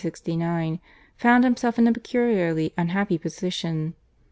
(1758 69) found himself in a peculiarly unhappy position.